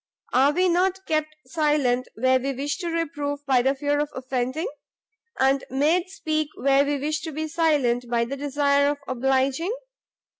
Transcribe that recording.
are we not kept silent where we wish to reprove by the fear of offending? and made speak where we wish to be silent by the desire of obliging?